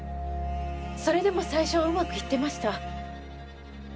それでも最初はうまくいってました。